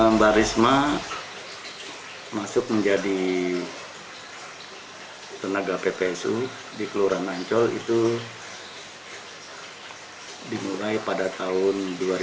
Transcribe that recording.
mbak risma masuk menjadi tenaga ppsu di kelurahan ancol itu dimulai pada tahun dua ribu dua